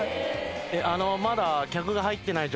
まだ。